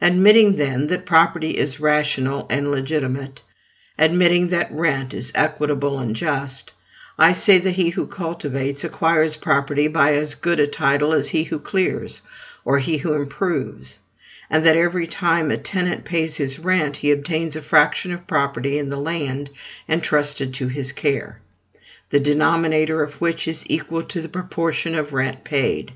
Admitting, then, that property is rational and legitimate, admitting that rent is equitable and just, I say that he who cultivates acquires property by as good a title as he who clears, or he who improves; and that every time a tenant pays his rent, he obtains a fraction of property in the land entrusted to his care, the denominator of which is equal to the proportion of rent paid.